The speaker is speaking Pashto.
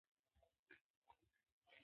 د دې ډول طرحو موخه دا وه چې پرده واچوي.